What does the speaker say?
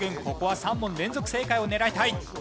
ここは３問連続正解を狙いたい。